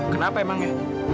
kenapa emang ya